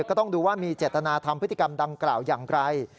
ก็ต้องดูว่ามีเจตนาทำพฤติกรรมดังกล่าวอย่างไร